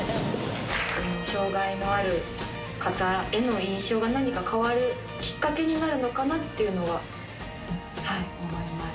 障がいのある方への印象が何か変わるきっかけになるのかなっていうのは、思います。